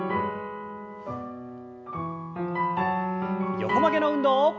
横曲げの運動。